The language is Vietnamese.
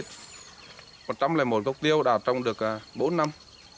một trăm linh một cốc tiêu đã trong được bốn năm